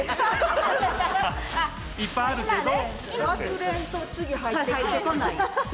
いっぱいあるけど？